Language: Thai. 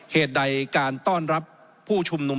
เหตุใดการต้อนรับผู้ชุมนุม